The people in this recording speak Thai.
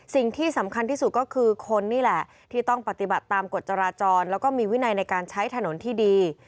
สิ่งที่สำคัญที่สุดก็คือคนนี่แหละที่ต้องปฏิบัติตามกฎจราจรแล้วก็มีวินัยในการใช้ถนนที่ดี